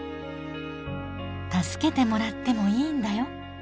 「助けてもらってもいいんだよ」。